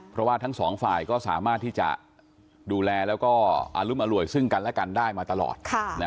เพราะว่าทั้งสองฝ่ายก็สามารถที่จะดูแลแล้วก็อรุมอร่วยซึ่งกันและกันได้มาตลอด